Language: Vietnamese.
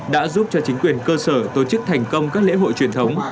đã giúp cho chính quyền cơ sở tổ chức thành công các lễ hội truyền thống